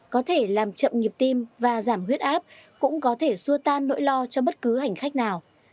có thể làm chậm nhịp tim và giảm huyết áp cũng có thể xua tan nỗi lo cho bất cứ hành khách nào